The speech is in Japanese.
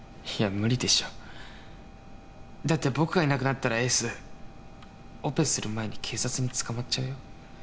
無理でしょだって僕がいなくなったらエースオペする前に警察に捕まっちゃうよ